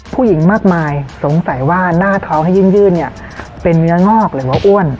ผู้หญิงมากมายสงสัยว่าหน้าท้องให้ยื่นเนี่ยเป็นเนื้องอกหรือเนื้ออ้วน